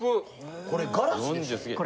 これガラスですよね？